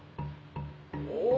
「お！